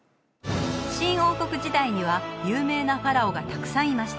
新王国時代には有名なファラオがたくさんいました